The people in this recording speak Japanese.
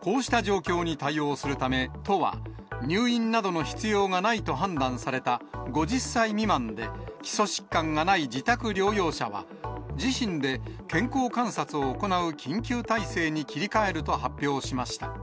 こうした状況に対応するため、都は入院などの必要がないと判断された５０歳未満で基礎疾患がない自宅療養者は、自身で健康観察を行う緊急体制に切り替えると発表しました。